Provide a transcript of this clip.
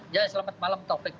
ya selamat malam topik